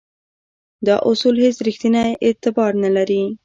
دا اصول هیڅ ریښتینی اعتبار نه لري.